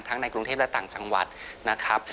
ในกรุงเทพและต่างจังหวัดนะครับ